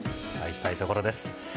期待したいところです。